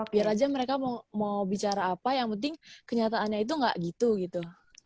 biar aja mereka mau bicara apa yang penting kenyataannya itu nggak gitu gitu